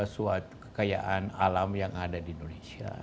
suatu kekayaan alam yang ada di indonesia